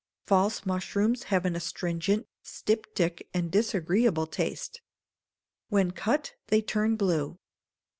False mushrooms have an astringent, styptic, and disagreeable taste. When cut they turn blue.